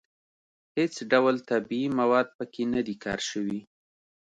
هېڅ ډول طبیعي مواد په کې نه دي کار شوي.